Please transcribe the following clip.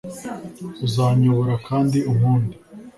uzanyobora kandi unkunde